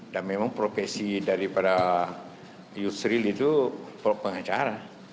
dan memang profesi daripada yusril itu pengacara